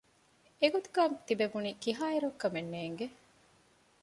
އެގޮތުގައި ތިބެވުނީ ކިހާއިރަކު ކަމެއް ނޭނގެ